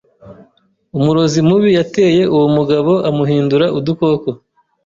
Umurozi mubi yateye uwo mugabo amuhindura udukoko.